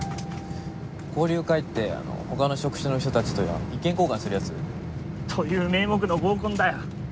交流会って他の職種の人たちと意見交換するやつ？という名目の合コンだよ。